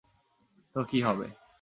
তো কী হবে?